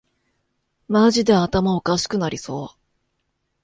マジで頭おかしくなりそう